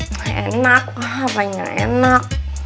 nggak enak apa yang nggak enak